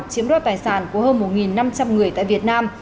chiếm đoạt tài sản của hơn một năm trăm linh người tại việt nam